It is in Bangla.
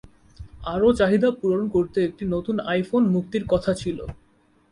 আরো চাহিদা পূরণ করতে একটি নতুন আইফোন মুক্তির কথা ছিল।